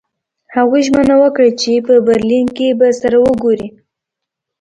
هغوی ژمنه وکړه چې په برلین کې به سره ګوري